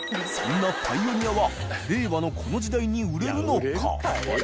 鵑パイオニアは疣造この時代に売れるのか？